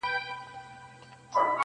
د باد په حکم ځمه -